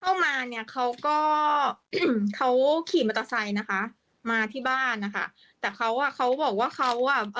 เข้ามาเนี้ยเขาก็อืมเขาขี่มอเตอร์ไซค์นะคะมาที่บ้านนะคะแต่เขาอ่ะเขาบอกว่าเขาอ่ะ